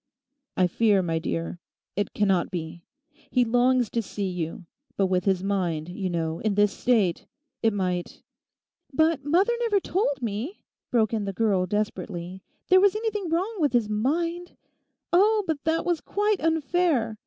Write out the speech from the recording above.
'I fear, my dear...it cannot be. He longs to see you. But with his mind, you know, in this state, it might—?' 'But mother never told me,' broke in the girl desperately, 'there was anything wrong with his mind. Oh, but that was quite unfair.